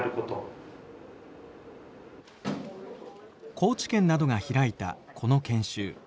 高知県などが開いたこの研修。